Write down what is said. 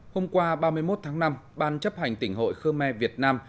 hôm qua ba mươi một tháng năm ban chấp hành tỉnh hội khơ me việt nam